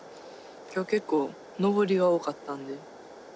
今日結構上りが多かったんで。